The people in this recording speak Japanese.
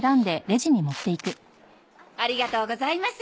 ありがとうございます。